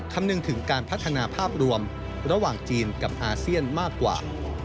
คำนึงถึงการพัฒนาภาพรวมระหว่างจีนกับอาเซียนมากกว่า